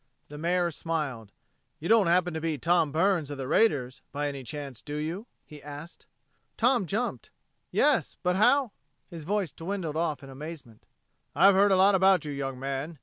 The Mayor smiled. "You don't happen to be Tom Burns of the raiders, by any chance, do you?" he asked. Tom jumped. "Yes but how...." His voice dwindled off in amazement. "I've heard a lot about you, young man.